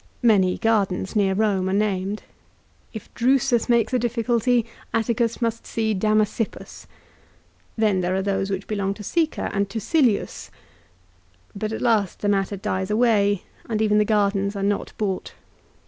Many gardens near Rome are named. If Drusus makes a difficulty Atticus must see 1 Ad Att. lib. xii. 18 and 28. 192 LIFE OF CICERO. Damasippus. Then there are those which belong to Sica and to Silius ! But at last the matter dies away, and even the gardens are not bought.